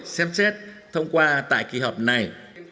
xem xét thông qua tại kỳ họp này